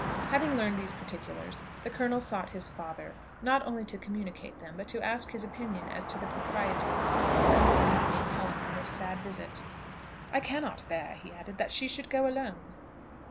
Having learned these particulars, the colonel sought his father, not only to communicate them, but to ask his opinion as to the propriety of his accompanying Helen on this sad visit. "I cannot bear," he added, "that she should go alone."